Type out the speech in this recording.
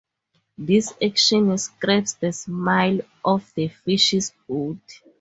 This action scrapes the slime off the fish's body.